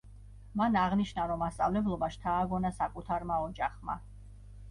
მან აღნიშნა რომ მასწავლებლობა შთააგონა საკუთარმა ოჯახმა.